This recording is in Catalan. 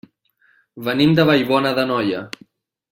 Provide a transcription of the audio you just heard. Venim de Vallbona d'Anoia.